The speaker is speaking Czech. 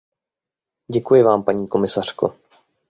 Děkuji vám, paní komisařko.